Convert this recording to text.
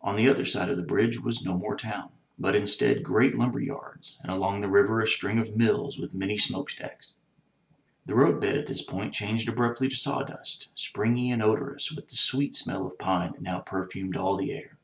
On the other side of the bridge was no more town; but in stead, great lumber yards, and along the river a string of mills with many smokestacks. The road bed at this point changed abruptly to sawdust, springy and odorous with the sweet smell of pine that now perfumed all the air.